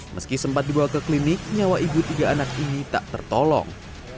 meski sempat dibawa ke klinik nyawa ibu tiga anak ini tak tertolong